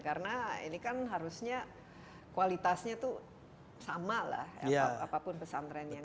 karena ini kan harusnya kualitasnya itu sama lah apapun pesantren yang di